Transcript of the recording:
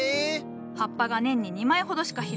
葉っぱが年に２枚ほどしか開かん。